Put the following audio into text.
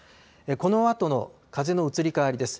このあとの風の移り変わりです。